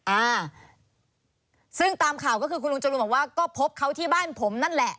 อ่าซึ่งตามข่าวก็คือคุณลุงจรูนบอกว่าก็พบเขาที่บ้านผมนั่นแหละ